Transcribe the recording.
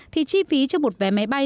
thì chi phí cho một vé máy bay